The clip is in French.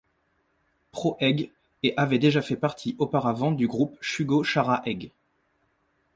Pro Egg, et avaient déjà fait partie auparavant du groupe Shugo Chara Egg!